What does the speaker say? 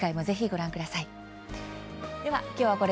ぜひご覧ください。